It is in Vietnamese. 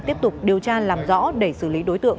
tiếp tục điều tra làm rõ để xử lý đối tượng